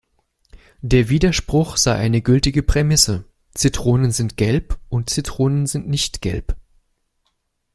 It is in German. Der Widerspruch sei eine gültige Prämisse: „Zitronen sind gelb und Zitronen sind nicht gelb“.